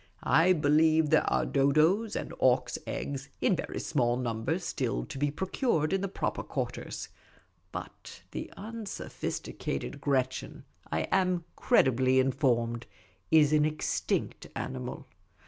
" I believe there are dodos' and auks' eggs, in very small numbers, still to be procured in the proper quarters ; but the unsophisticated Gretchen, I am credibl}'^ informed, is an extinct animal.